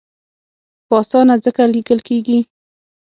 په اسانه ځکه لیکل کېږي.